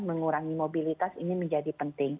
mengurangi mobilitas ini menjadi penting